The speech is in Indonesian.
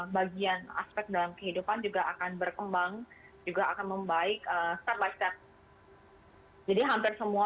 bagian aspek dalam kehidupan juga akan berkembang juga akan membaik step by step jadi hampir semua